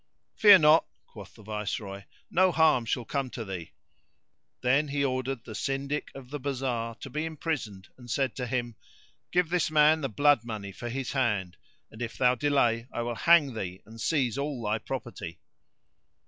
"Fear not," quoth the Viceroy, "no harm shall come to thee." Then he ordered the Syndic of the bazar to be imprisoned and said to him, "Give this man the blood money for his hand; and, if thou delay I will hang thee and seize all thy property."